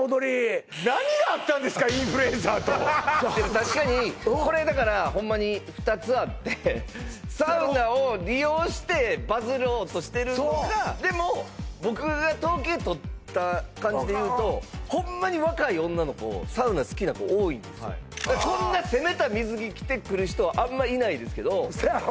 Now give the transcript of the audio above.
確かにこれだからホンマに２つあってサウナを利用してバズろうとしてるのかでも僕が統計とった感じでいうとこんな攻めた水着着てくる人はあんまいないですけどそやろ？